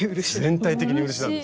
全体的に漆なんですね。